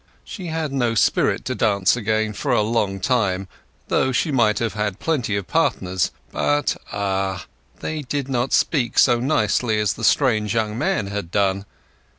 She had no spirit to dance again for a long time, though she might have had plenty of partners; but ah! they did not speak so nicely as the strange young man had done.